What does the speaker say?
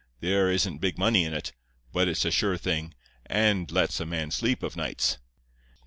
There isn't big money in it, but it's a sure thing, and lets a man sleep of nights.